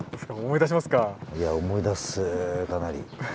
いや思い出すかなり。